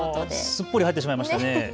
すっぽり入ってしまいましたね。